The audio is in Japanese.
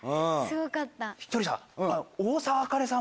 ひとりさん。